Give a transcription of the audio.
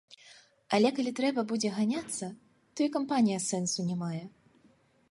Але калі трэба будзе ганяцца, то і кампанія сэнсу не мае.